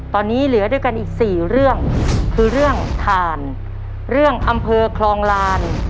ตอนนี้เหลือด้วยกันอีกสี่เรื่องคือเรื่องถ่านเรื่องอำเภอคลองลาน